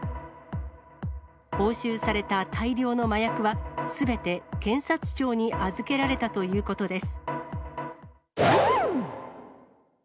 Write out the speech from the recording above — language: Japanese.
押収された大量の麻薬は、すべて検察庁に預けられたということです。